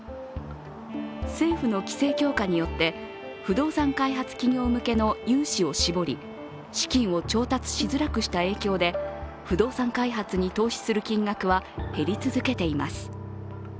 政府の規制強化によって不動産開発企業向けの融資を絞り資金を調達しづらくした影響で不動産開発に投資する金額は減り続けています。